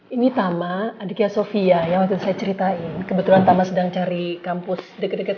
ini tammy adiknya sofia yang dengar ceritain kebetulan the transparency kampus deket deket